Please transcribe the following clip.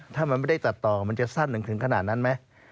ถ้ามันไม่ได้ตัดต่อมันจะสั้นถึงขนาดนั้นไหม